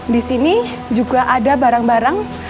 disini juga ada barang barang